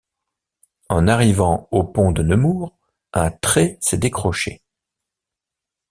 En arrivant au pont de Nemours, un trait s’est décroché.